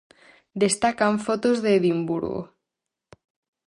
Destacan fotos de Edimburgo.